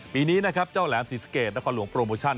ปีนี้นะครับเจ้าแหลมศรีสะเกดนครหลวงโปรโมชั่น